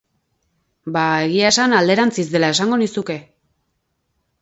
Ba, egia esan, alderantziz dela esango nizuke.